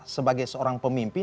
sebagai seorang pemimpin